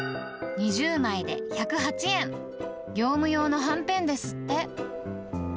２０枚で１０８円、業務用のはんぺんですって。